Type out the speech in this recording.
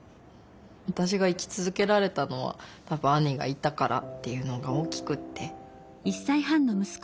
私が生き続けられたのは多分兄がいたからっていうのが大きくって。